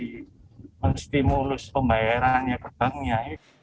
dan ini akan menstimulus pembayarannya ke banknya